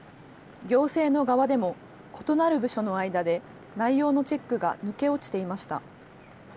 行政の側でも、異なる部署の間で内容のチェックが抜け落ちていました。